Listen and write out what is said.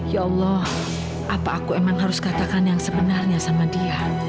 ya allah apa aku emang harus katakan yang sebenarnya sama dia